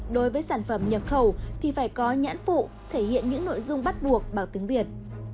đối với sản phẩm nhập khẩu thì phải có nhãn phụ thể hiện những nội dung bắt buộc bằng tiếng việt